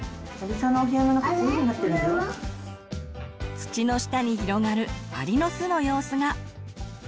土の下に広がるアリの巣の様子が。